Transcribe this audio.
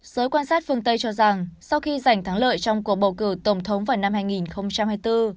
giới quan sát phương tây cho rằng sau khi giành thắng lợi trong cuộc bầu cử tổng thống vào năm hai nghìn hai mươi bốn